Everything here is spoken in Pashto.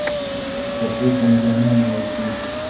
که تشویق وي نو ذهن نه مړاوی کیږي.